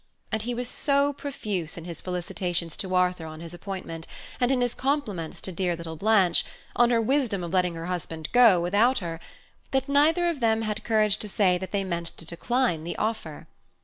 And he was so profuse in his felicitations to Arthur on his appointment, and in his compliments to dear little Blanche, on her wisdom of letting her husband go without her–that neither of them had courage to say that they meant to decline the offer.